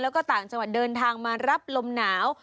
แล้วก็ต่างจังหวัดเดินทางมารับลมหนาว